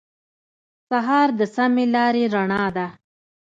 سهار د سمې لارې رڼا ده.